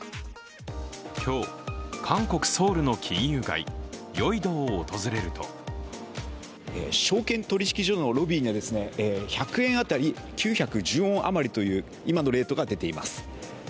今日、韓国ソウルの金融街ヨイドを訪れると証券取引所のロビーには１００円当たり９１０ウォンという今のレートが出ています。